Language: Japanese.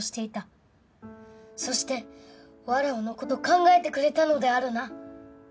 そしてわらわの事考えてくれたのであるな。